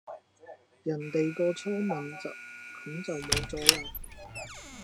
人哋個初吻咁就無咗啦